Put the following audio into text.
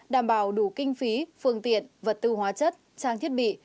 đảm bảo đủ kinh phí phương tiện vật tư hóa chất trang thiết bị